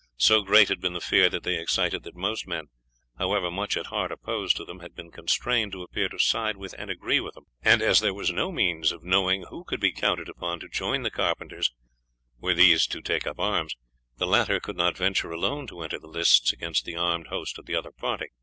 So great had been the fear that they excited that most men, however much at heart opposed to them, had been constrained to appear to side with and agree with them, and as there was no means of knowing who could be counted upon to join the carpenters were these to take up arms, the latter could not venture alone to enter the lists against the armed host of the other party.